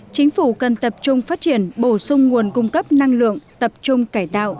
chính phủ cần tập trung phát triển bổ sung nguồn cung cấp năng lượng tập trung cải tạo